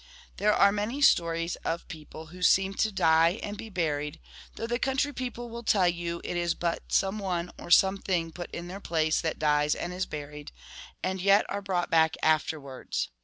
There are many stories of people who seem to die and be buried — though the country people will tell you it is but some one or some thing put in their place that dies and is buried — and yet are brought back afterwards.